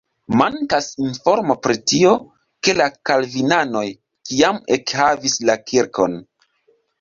Mankas informo pri tio, ke la kalvinanoj kiam ekhavis la kirkon.